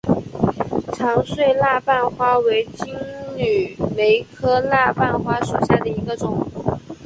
长穗蜡瓣花为金缕梅科蜡瓣花属下的一个种。